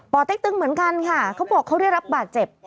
เต็กตึงเหมือนกันค่ะเขาบอกเขาได้รับบาดเจ็บ